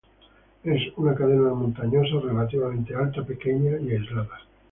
Es una cadena montañosa relativamente alta, pequeña y aislada.